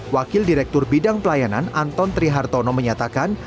wakil direktur bidang pelayanan anton trihartono menyatakan